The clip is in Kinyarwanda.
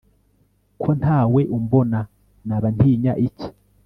ko nta we umbona, naba ntinya iki